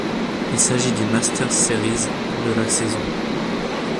Il s'agit du Masters Series de la saison.